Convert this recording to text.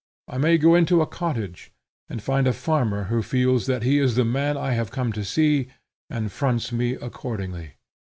I may go into a cottage, and find a farmer who feels that he is the man I have come to see, and fronts me accordingly.